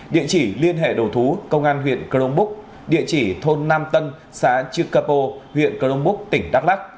địa chỉ liên hệ đầu thú công an huyện cờ đông búc địa chỉ thôn nam tân xã trước cà pô huyện cờ đông búc tỉnh đắk lắc